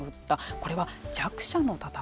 これは弱者の戦い方。